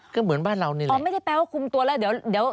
ก็เหมือนบ้านเรานี่แหละอ๋อไม่ได้แปลว่าคุมตัวแล้วเดี๋ยว